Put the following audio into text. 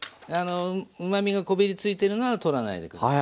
うまみがこびりついてるのは取らないで下さい。